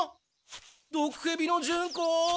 毒ヘビのジュンコ！